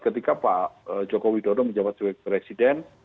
ketika pak jokowi dodo menjabat sebagai presiden